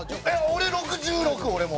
俺１６６俺も。